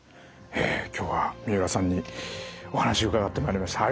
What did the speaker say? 今日は三浦さんにお話を伺ってまいりました。